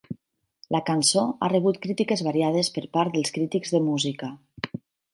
La cançó ha rebut crítiques variades per part dels crítics de música.